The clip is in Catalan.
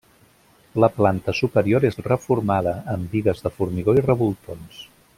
La planta superior és reformada, amb bigues de formigó i revoltons.